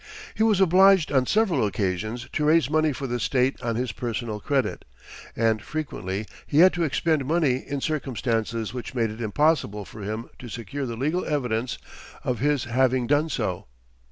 He was obliged on several occasions to raise money for the State on his personal credit, and frequently he had to expend money in circumstances which made it impossible for him to secure the legal evidence of his having done so.